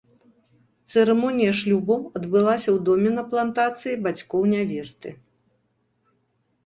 Цырымонія шлюбу адбылася ў доме на плантацыі бацькоў нявесты.